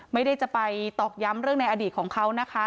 ไม่ได้จะไปตอกย้ำเรื่องในอดีตของเขานะคะ